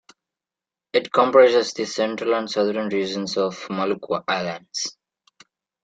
It comprises the central and southern regions of the Maluku Islands.